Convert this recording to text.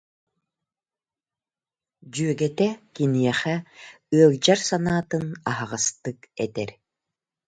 дьүөгэтэ киниэхэ «ыалдьар» санаатын аһаҕастык этэр